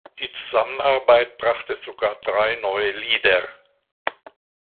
Die Zusammenarbeit brachte sogar drei neue Lieder.